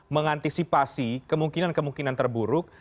mengantisipasi kemungkinan kemungkinan terburuk